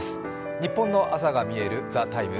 ニッポンの朝がみえる「ＴＨＥＴＩＭＥ，」